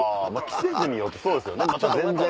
季節によってそうですよねまた全然。